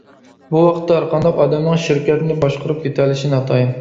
بۇ ۋاقىتتا ھەر قانداق ئادەمنىڭ شىركەتنى باشقۇرۇپ كېتەلىشى ناتايىن.